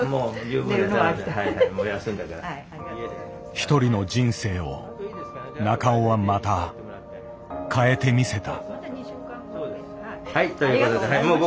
一人の人生を中尾はまた変えてみせた。